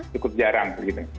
cukup jarang begitu